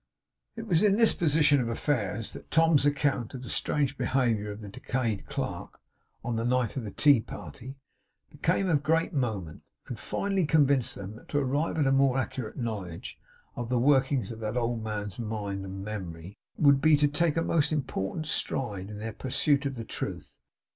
It was in this position of affairs that Tom's account of the strange behaviour of the decayed clerk, on the night of the tea party, became of great moment, and finally convinced them that to arrive at a more accurate knowledge of the workings of that old man's mind and memory, would be to take a most important stride in their pursuit of the truth.